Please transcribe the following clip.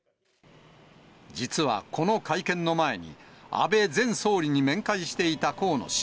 実はこの会見の前に、安倍前総理に面会していた河野氏。